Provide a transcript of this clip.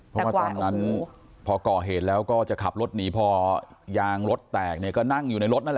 เพราะว่าตอนนั้นพอก่อเหตุแล้วก็จะขับรถหนีพอยางรถแตกเนี่ยก็นั่งอยู่ในรถนั่นแหละ